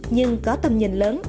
nhưng có tầm nhìn lớn